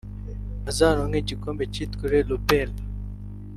buzaronke igikombe cyitiriwe Nobel (Prix Nobel)